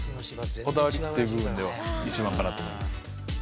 こだわりって部分では一番かなと思います。